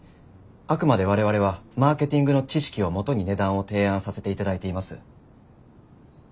あくまで我々はマーケティングの知識をもとに値段を提案させていただいています。